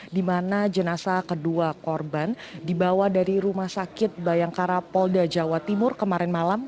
di mana jenazah kedua korban dibawa dari rumah sakit bayangkara polda jawa timur kemarin malam